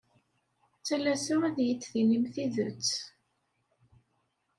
Ttalaseɣ ad iyi-d-tinim tidet.